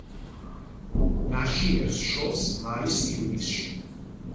ნაშიერს შობს მაის-ივნისში.